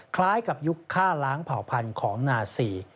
คล้ายกับยุคฆ่าล้างเผ่าพันธุ์ของนาซี